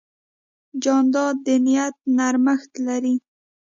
جانداد د نیت نرمښت لري.